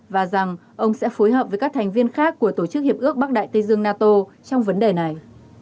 và rằng ông sẽ phối hợp với các thành viên khác của tổ chức hiệp ước bắc đại tây dương nato trong vấn đề này